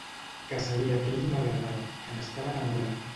Que sabia que ell m'agradava, que n'estava enamorada.